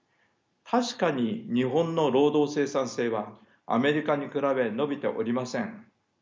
確かに日本の労働生産性はアメリカに比べ伸びておりません。